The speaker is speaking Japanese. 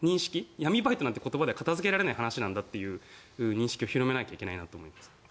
闇バイト何かていう言葉では片付けられない言葉なんだっていう認識を広めないといけないと思います。